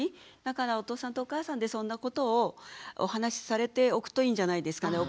だからお父さんとお母さんでそんなことをお話しされておくといいんじゃないですかね。